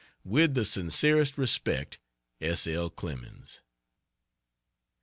With the sincerest respect, S. L. CLEMENS.